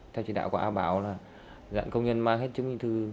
theo chỉ đạo của a bảo là công nhân mang hết chứng minh thư